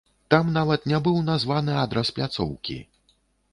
Там нават не быў названы адрас пляцоўкі!